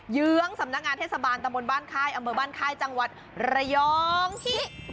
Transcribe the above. เยื้องสำนักงานเทศบาลตะบนบ้านค่ายอำเภอบ้านค่ายจังหวัดระยองที่